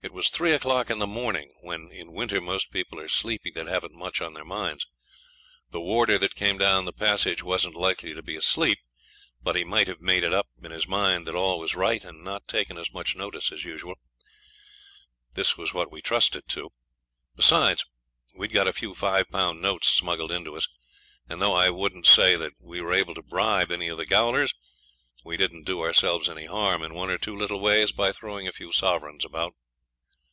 It was three o'clock in the morning, when in winter most people are sleepy that haven't much on their minds. The warder that came down the passage wasn't likely to be asleep, but he might have made it up in his mind that all was right, and not taken as much notice as usual. This was what we trusted to. Besides, we had got a few five pound notes smuggled in to us; and though I wouldn't say that we were able to bribe any of the gaolers, we didn't do ourselves any harm in one or two little ways by throwing a few sovereigns about.